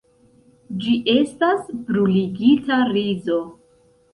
Ĝi estas bruligita rizo.